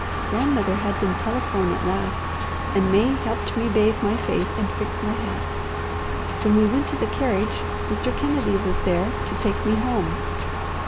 Grandmother had them telephone at last, and May helped me bathe my face and fix my hat. When we went to the carriage Mr. Kennedy was there to take me home.